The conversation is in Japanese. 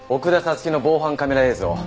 月の防犯カメラ映像。